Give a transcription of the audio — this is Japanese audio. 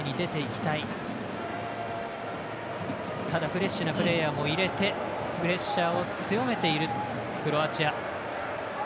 フレッシュなプレーヤーも入れてプレッシャーを強めているクロアチア。